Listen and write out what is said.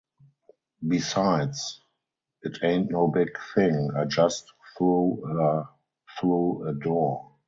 Besides, it ain't no big thing-I just threw her through a door.